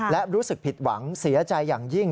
และรู้สึกผิดหวังเสียใจอย่างยิ่ง